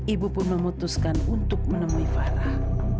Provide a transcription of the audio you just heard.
ibu pun memutuskan untuk menemui farah